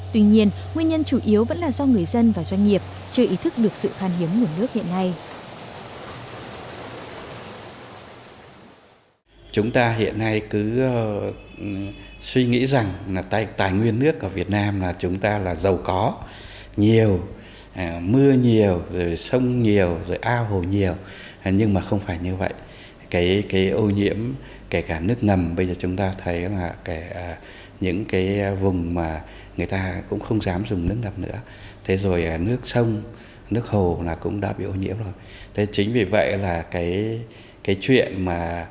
tuy nhiên nguyên nhân chủ yếu vẫn là do người dân và doanh nghiệp chưa ý thức được sự khan hiếm nguồn nước ngầm